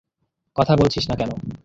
কথা বলছিস না কেন?